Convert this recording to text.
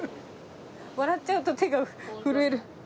笑っちゃうと手が震える。